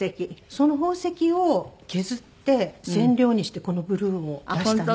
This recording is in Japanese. その宝石を削って染料にしてこのブルーを出したんです。